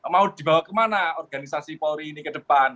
mau dibawa kemana organisasi polri ini ke depan